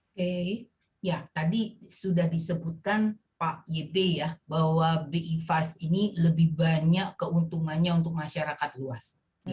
oke ya tadi sudah disebutkan pak ybe ya bahwa bi fast ini lebih banyak keuntungannya untuk masyarakat luas